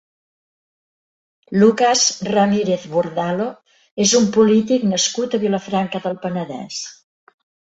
Lucas Ramírez Burdalo és un polític nascut a Vilafranca del Penedès.